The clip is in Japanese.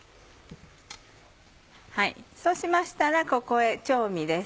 そうしましたらここへ調味です。